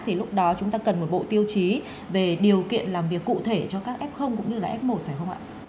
thì lúc đó chúng ta cần một bộ tiêu chí về điều kiện làm việc cụ thể cho các f cũng như là f một phải không ạ